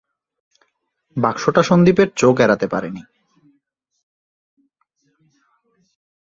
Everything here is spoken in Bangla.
বাক্সটা সন্দীপের চোখ এড়াতে পারে নি।